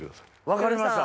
分かりました。